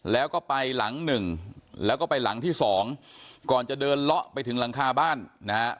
แล้วก็ไปหลังหนึ่งแล้วก็ไปหลังที่สองก่อนจะเดินเลาะไปถึงหลังคาบ้านนะฮะ